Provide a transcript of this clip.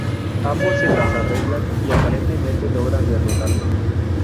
Ambos se las arreglan y aparentemente logran derrotarlo.